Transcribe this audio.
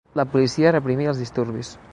La policia reprimí els disturbis.